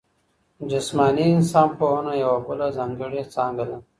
جسماني انسان پوهنه یوه بله ځانګړې څانګه ده.